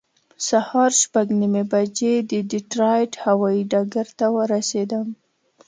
سهار شپږ نیمې بجې د ډیټرایټ هوایي ډګر ته ورسېدم.